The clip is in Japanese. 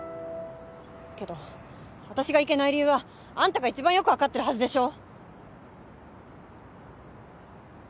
けど私がいけない理由はあんたが一番よく分かってるはずでしょ。